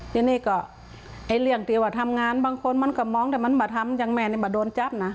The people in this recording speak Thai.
แล้วนี่ก็ไอเรี่ยงตีวั๊ลทำงานบางคนมันก็มองแต่มันมาทำยังงงงแม่นี่แบบโดนจับนะ